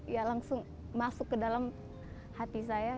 ya langsung masuk ke dalam hati saya